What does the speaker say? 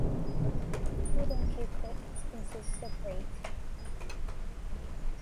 We don't keep the expenses separate.